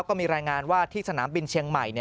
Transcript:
ก็มีรายงานว่าที่สนามบินเชียงใหม่